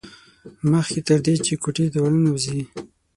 مخکې تر دې چې کوټې ته ور ننوځي.